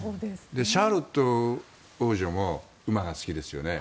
シャーロット王女も馬が好きですよね。